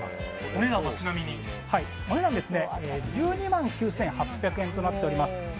お値段は１２万９８００円となっております。